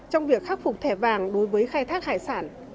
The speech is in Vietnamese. trong việc khắc phục thẻ vàng đối với khai thác hải sản